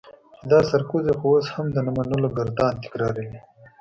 چې دا سرکوزی خو اوس هم د نه منلو ګردان تکراروي.